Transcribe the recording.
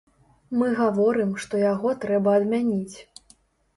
Мы гаворым, што яго трэба адмяніць.